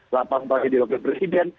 lapan papan jadi rakyat presiden